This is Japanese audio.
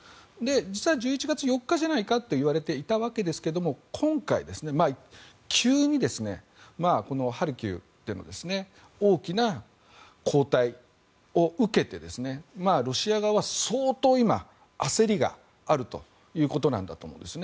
実は１１月４日じゃないかといわれていましたが今回、急にハルキウでの大きな後退を受けてロシア側は相当今、焦りがあるということだと思います。